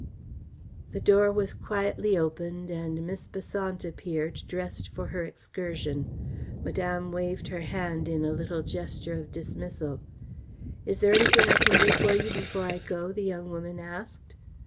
The door was quietly opened, and Miss Besant appeared, dressed for her excursion. Madame waved her hand in a little gesture of dismissal. "Is there anything I can do for you before I go?" the young woman asked.